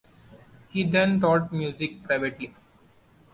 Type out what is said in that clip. He then taught music privately.